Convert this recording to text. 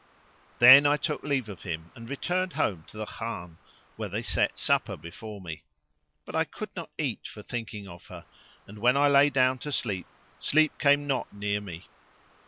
Then I took leave of him and returned home to the Khan where they set supper before me; but I could not eat for thinking of her and when I lay down to sleep, sleep came not near me.